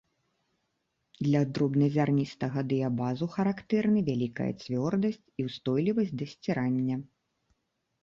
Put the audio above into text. Для дробназярністага дыябазу характэрны вялікая цвёрдасць і ўстойлівасць да сцірання.